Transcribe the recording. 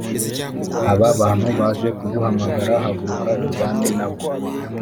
aba bantu baje kuguhamagara haguruka ujyane na bo